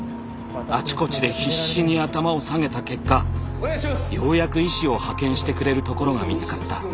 あちこちで必死に頭を下げた結果ようやく医師を派遣してくれるところが見つかった。